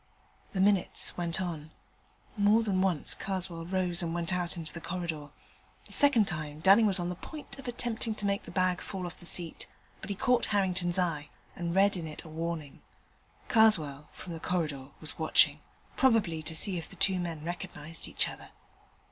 The minutes went on. More than once Karswell rose and went out into the corridor. The second time Dunning was on the point of attempting to make the bag fall off the seat, but he caught Harrington's eye, and read in it a warning. Karswell, from the corridor, was watching: probably to see if the two men recognized each other.